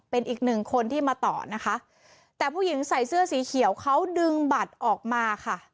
เป็นอีกหนึ่งคนที่มาต่อนะคะแต่ผู้หญิงใส่เสื้อสีเขียวเขาดึงบัตรออกมาค่ะ